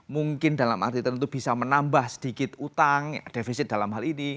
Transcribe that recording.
mungkin dalam arti tentu bisa menambah sedikit utang defisit dalam hal ini